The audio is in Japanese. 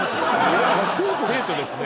生徒ですね。